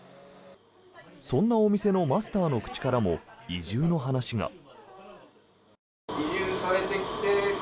そんなお店のマスターの口からも移住の話が。